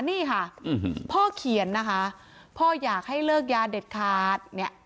นี่ค่ะพ่อเขียนนะคะพ่ออยากให้เลิกยาเด็ดขาดเนี่ย